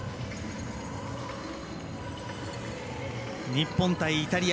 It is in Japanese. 日本対イタリア。